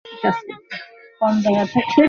তাও প্রতি সপ্তাহেই।